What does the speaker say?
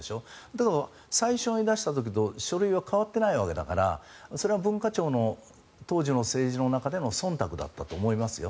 だけど最初に出した時と書類は変わっていないわけだからそれは文化庁の当時の政治の中でのそんたくだったと思いますよ。